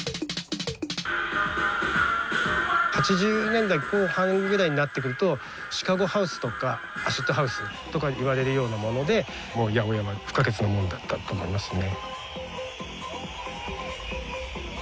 ８０年代後半ぐらいになってくるとシカゴハウスとかアシッドハウスとかいわれるようなものでもう８０８は不可欠なものだったと思いますね。